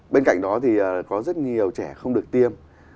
bên cạnh đó thì có rất nhiều trẻ không được tiêm